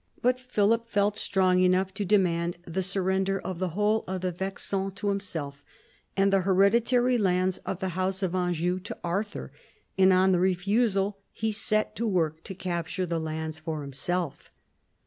But Philip felt strong enough to demand the surrender of the whole of the Vexin to himself, and the hereditary lands of the house of Anjou to Arthur, and on the refusal he set to work to capture the lands for himself.